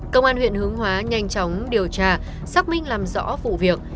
công an huyện hướng hóa nhanh chóng điều tra xác minh làm rõ vụ việc